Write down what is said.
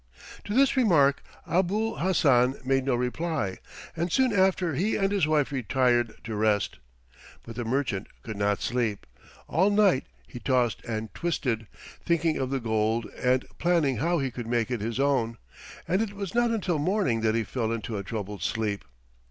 To this remark Abul Hassan made no reply, and soon after he and his wife retired to rest. But the merchant could not sleep. All night he tossed and twisted, thinking of the gold and planning how he could make it his own, and it was not until morning that he fell into a troubled sleep.